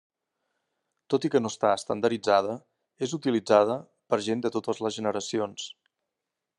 Tot i que no està estandarditzada, és utilitzada per gent de totes les generacions.